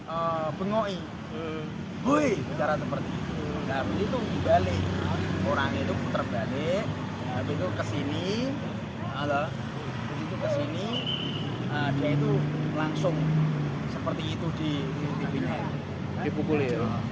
orang itu putar balik ke sini ke sini dia itu langsung seperti itu di pukulnya